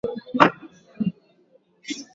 inaelekeza kushughulikia mahitaji yao ya maisha